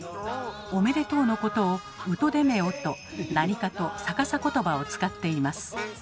「おめでとう」のことを「うとでめお」と何かと逆さ言葉を使っています。